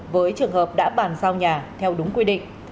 với trường hợp đã bàn giao nhà theo đúng quy định